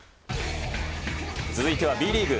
続いてはＢリーグ。